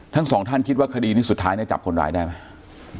ทั้งสองท่านคิดว่าคดีนี้สุดท้ายเนี่ยจับคนร้ายได้ไหม